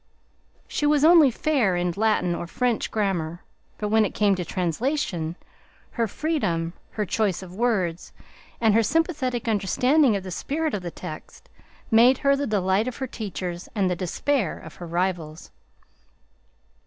She was only fair in Latin or French grammar, but when it came to translation, her freedom, her choice of words, and her sympathetic understanding of the spirit of the text made her the delight of her teachers and the despair of her rivals.